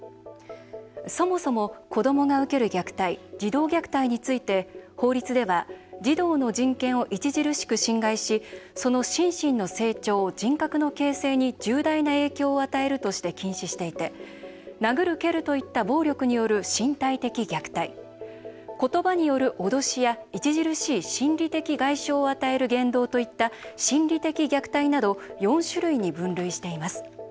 そもそも子どもが受ける虐待児童虐待について、法律では児童の人権を著しく侵害しその心身の成長、人格の形成に重大な影響を与えるとして禁止していて殴る蹴るといった暴力による身体的虐待言葉による脅しや著しい心理的外傷を与える言動といった心理的虐待など４種類に分類しています。